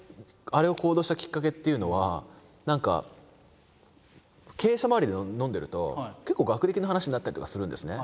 あれを行動したきっかけっていうのは何か経営者周りで飲んでると結構学歴の話になったりとかするんですね。